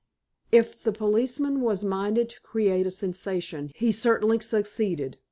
If the policeman was minded to create a sensation, he certainly succeeded.